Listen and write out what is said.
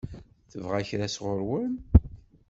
Tebɣa kra sɣur-wen?